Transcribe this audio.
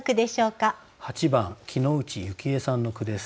８番城内幸江さんの句です。